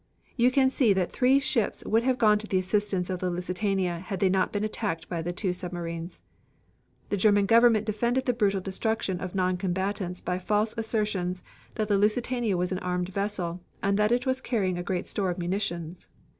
You can see that three ships would have gone to the assistance of the Lusitania had they not been attacked by the two submarines." The German Government defended the brutal destruction of non combatants by the false assertions that the Lusitania was an armed vessel and that it was carrying a great store of munitions.